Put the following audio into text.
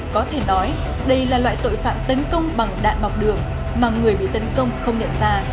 có thể nói đây là loại tội phạm tấn công bằng đạn bọc đường mà người bị tấn công không nhận ra